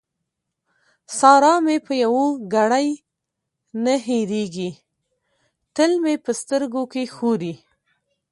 سارا مې په يوه ګړۍ نه هېرېږي؛ تل مې په سترګو کې ښوري.